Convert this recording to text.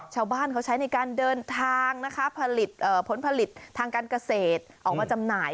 ชาวบ้านเขาใช้ในการเดินทางนะคะผลผลิตทางการเกษตรออกมาจำหน่าย